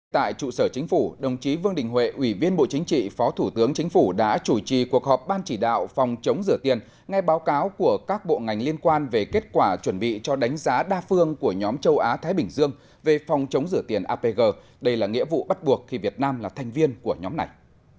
tại trụ sở chính phủ đồng chí vương đình huệ ủy viên bộ chính trị phó thủ tướng chính phủ đã chủ trì cuộc họp ban chỉ đạo phòng chống rửa tiền ngay báo cáo của các bộ ngành liên quan về kết quả chuẩn bị cho đánh giá đa phương của nhóm châu á thái bình dương về phòng chống rửa tiền apg đây là nghĩa vụ bắt buộc khi việt nam là thành viên của nhóm này